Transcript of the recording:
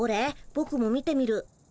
ぼくも見てみる。